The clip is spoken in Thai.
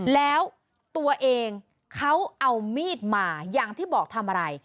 แล้วตัวเองเขาเอามีดมาอย่างที่บอกทำอะไร